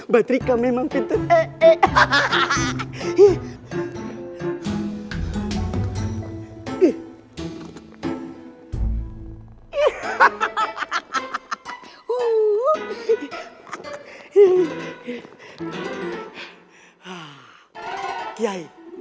badrika memang pintar